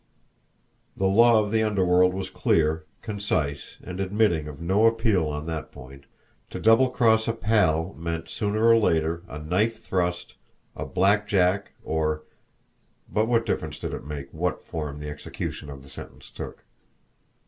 The law of the underworld was clear, concise, and admitting of no appeal on that point; to double cross a pal meant, sooner or later, a knife thrust, a blackjack, or But what difference did it make what form the execution of the sentence took?